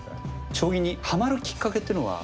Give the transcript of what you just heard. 将棋にハマるきっかけっていうのは？